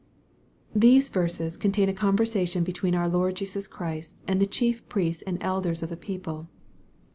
These verses contain a conversation between our Lord Jesus Christ, and the chief priests and elders of the people.